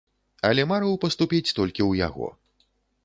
Але марыў паступіць толькі ў яго.